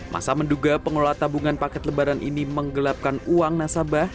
masa menduga pengelola tabungan paket lebaran ini menggelapkan uang nasabah